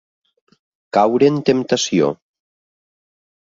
Caure en temptació.